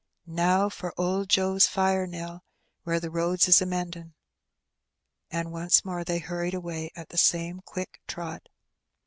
'^Now for old Joe's fire, Nell, where the roads is a mend in';" and once more they hurried away at the same quick trot.